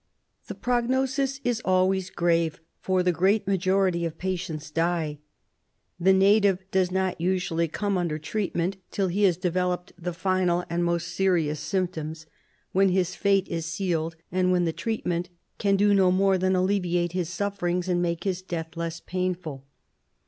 The prognosis is always grave, for the great majority of patients die. The native does not usually come under treat ment till he has developed the final and most serious symp toms, when his fate is sealed, and when the treatment can do no more than alleviate his sufferings and make his death less painful.